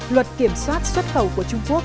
luật kiểm soát xuất khẩu của trung quốc